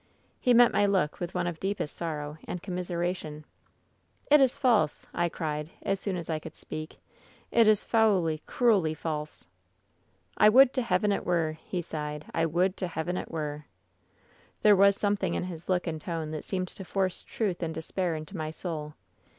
"He met my look with one of deepest sorrow and commiseration. " ^It is false 1' I cried, as soon as I could speak. *It is foully, cruelly false 1' " ^I would to Heaven it were !' he sighed. *I would to Heaven it were 1' "There was something in his look and tone that seemed to force truth and despair into my soul.